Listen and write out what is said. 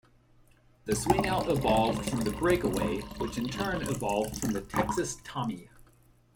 The swingout evolved from the breakaway, which in turn evolved from the Texas Tommy.